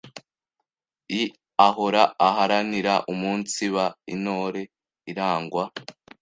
i; ahora aharanira umunsiba intore irangwa